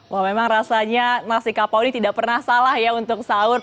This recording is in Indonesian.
wah memang rasanya nasi kapau ini tidak pernah salah ya untuk sahur